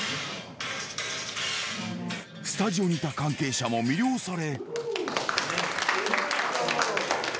スタジオにいた関係者も魅了され。